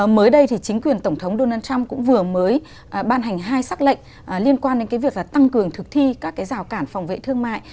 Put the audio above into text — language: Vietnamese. mới đây thì chính quyền tổng thống donald trump cũng vừa mới ban hành hai xác lệnh liên quan đến cái việc là tăng cường thực thi các cái rào cản phòng vệ thương mại